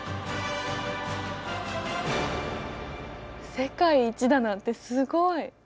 世界一だなんてすごい。